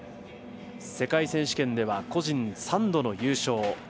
世界選手権では個人３度の優勝。